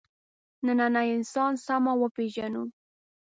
نننی انسان سمه وپېژنو.